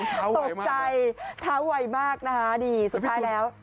เท้าไหวมากเลยตกใจเท้าไหวมากนะคะสุดท้ายแล้ว